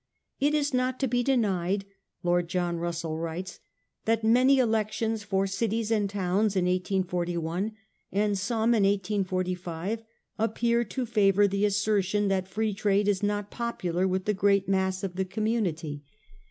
' It is not to he denied,' Lord John Russell writes , 1 that many elec tions for cities and towns in 1841, and some in 1845, appear to favour the assertion that Free Trade is not popular with the great mass of the community.